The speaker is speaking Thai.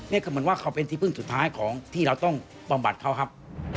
นี่คือเหมือนเขาเป็นที่พึ่งสุดท้ายที่เราต้องปำบัดเขาครับ